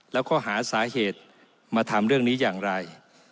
แล้วก็หาสาเหตุมาทำเรื่องนี้อย่างไร